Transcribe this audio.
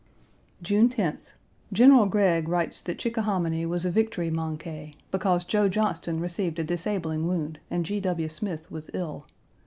June 10th. General Gregg writes that Chickahominy1 was a victory manqué, because Joe Johnston received a disabling wound and G. W. Smith was ill.